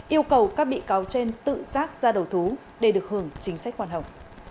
yêu cầu các bị cáo trên tự giác ra đầu thú để được hưởng chính sách hoàn hảo